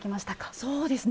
そうですね。